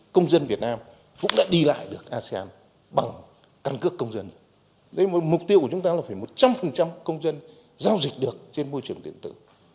cũng đã đi lại được asean bằng căn cước công dân mục tiêu của chúng ta là phải một trăm linh công dân giao dịch được trên môi trường điện tử